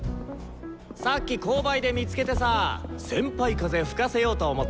さっき購買で見つけてさ先輩風吹かせようと思って！